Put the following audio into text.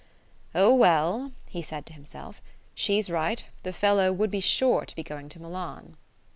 "Oh, well," he said to himself, "she's right: the fellow would be sure to be going to Milan."